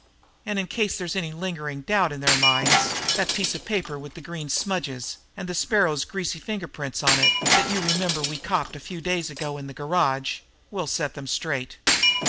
And in case there's any lingering doubt in their minds, that piece of paper with the grease smudges and the Sparrow's greasy finger prints on it, that you remember we copped a few days ago in the garage, will set them straight.